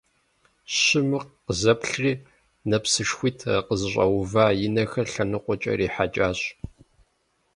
Щыму къызэплъри, нэпсышхуитӀ къызыщӀэува и нэхэр лъэныкъуэкӀэ ирихьэкӀащ.